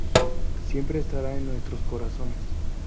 Siempre estará en nuestros corazones.